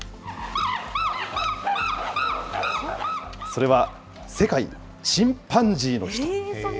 それは世界チンパンジーの日と。